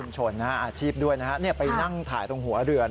อาชีพด้วยนะฮะไปนั่งถ่ายตรงหัวเรือ